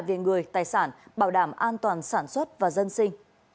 về người tài sản bảo đảm an toàn sản xuất và dân sinh